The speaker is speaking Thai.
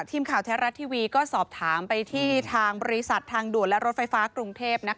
ทีมข่าวแท้รัฐทีวีก็สอบถามไปที่ทางบริษัททางด่วนและรถไฟฟ้ากรุงเทพ